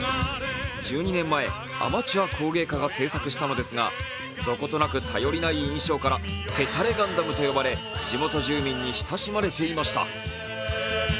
１２年前、アマチュア工芸家が制作したのですが、どことなく頼りない印象から、へたれガンダムと呼ばれ、地元住民に親しまれていました。